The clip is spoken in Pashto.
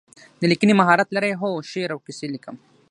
د لیکنې مهارت لرئ؟ هو، شعر او کیسې لیکم